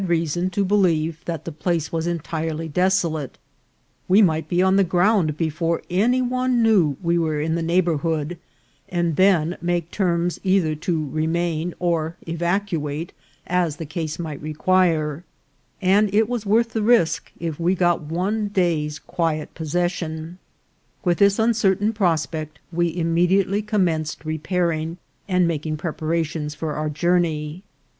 reason to believe that the place was entirely desolate ; we might be on the ground before any one knew we were in the neighbourhood, and then make terms either to re main or evacuate, as the case might require ; and it was worth the risk if we got one day's quiet possession. With this uncertain prospect we immediately commenced repairing and making preparations for our journey.